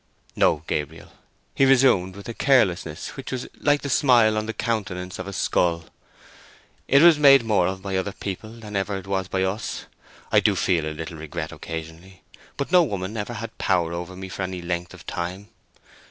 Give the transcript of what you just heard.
"No, Gabriel," he resumed, with a carelessness which was like the smile on the countenance of a skull: "it was made more of by other people than ever it was by us. I do feel a little regret occasionally, but no woman ever had power over me for any length of time.